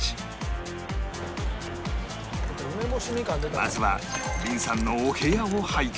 まずは凜さんのお部屋を拝見